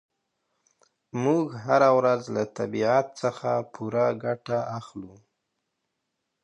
موږ هره ورځ له طبیعت څخه پوره ګټه اخلو.